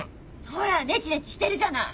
ほらネチネチしてるじゃない！